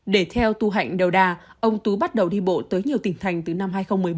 để theo tu hạnh đầu đà ông tú bắt đầu đi bộ tới nhiều tỉnh thành từ năm hai nghìn một mươi bốn